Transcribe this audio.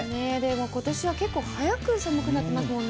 今年は結構早く寒くなっていますよね。